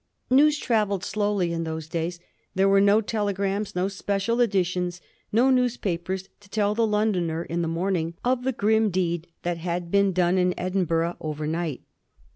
News travelled slowly in those days. There were no telegrams, no special editions, no newspapers, to tell the Londoner in the morning of the grim deed that had been done in Edinburgh overnight.